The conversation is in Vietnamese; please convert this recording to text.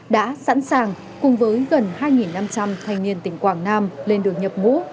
đã sẵn sàng cùng với gần hai năm trăm linh thanh niên tỉnh quảng nam lên đường nhập ngũ